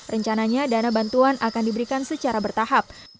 rencananya dana bantuan akan diberikan secara bertahap